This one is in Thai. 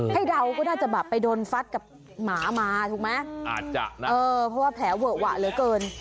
เดาก็น่าจะแบบไปโดนฟัดกับหมามาถูกไหมอาจจะนะเออเพราะว่าแผลเวอะหวะเหลือเกิน